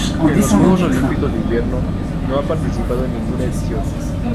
En los Juegos Olímpicos de Invierno no ha participado en ninguna edición.